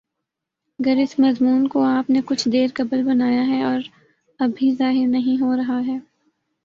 گر اس مضمون کو آپ نے کچھ دیر قبل بنایا ہے اور ابھی ظاہر نہیں ہو رہا ہے